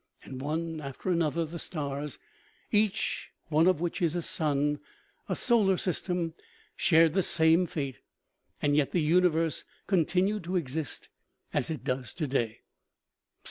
And one after another the stars, each one of which is a sun, a solar system, shared the same fate ; yet the universe continued to exist as it does today.